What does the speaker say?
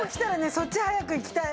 そっち早く行きたい。